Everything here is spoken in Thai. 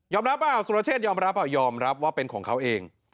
รับเปล่าสุรเชษยอมรับยอมรับว่าเป็นของเขาเอง